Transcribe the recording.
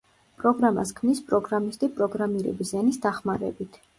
პროგრამას ქმნის პროგრამისტი პროგრამირების ენის დახმარებით.